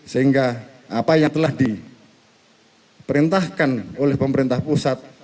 sehingga apa yang telah diperintahkan oleh pemerintah pusat